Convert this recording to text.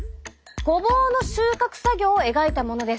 ごぼうの収穫作業を描いたものです。